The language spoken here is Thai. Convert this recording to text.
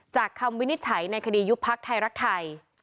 คำวินิจฉัยในคดียุบพักไทยรักไทย